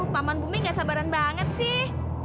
paman bumi gak sabaran banget sih